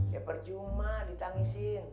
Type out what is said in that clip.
ya percuma ditangisin